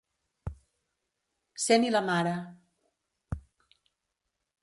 Cent i la mare.